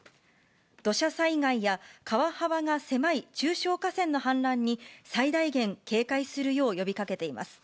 土砂災害や川幅が狭い中小河川の氾濫に最大限、警戒するよう呼びかけています。